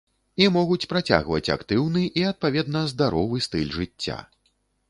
І могуць працягваць актыўны і адпаведна здаровы стыль жыцця.